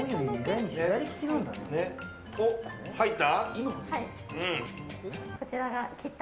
入った？